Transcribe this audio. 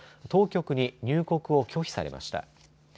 当局に入国を拒否されました。